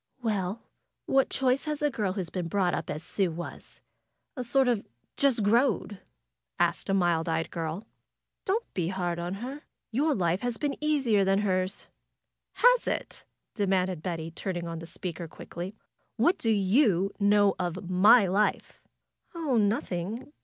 '^Well ! What choice has a girl who has been brought up as Sue was? A sort of ^just growed' !" asked a mild eyed girl. Don't be hard on her. Your life has been easier than hers." ^^Has it?" demanded Betty, turning on the speaker quickly. ^^What do you know of my life?" '^Oh, nothing.